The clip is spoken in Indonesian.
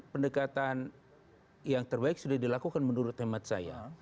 pendekatan yang terbaik sudah dilakukan menurut hemat saya